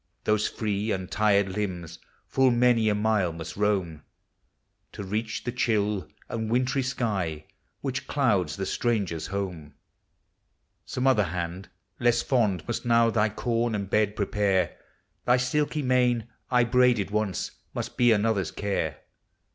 those free, untired limbs full many a mile must roam, To reach the chill and wintry sky which clouds the stranger's home; Some other hand, less fond, must now thy coin and bed prepare, Thy silky mane, I braided once, must be another's care!